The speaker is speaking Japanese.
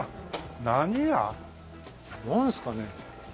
何屋？なんですかね？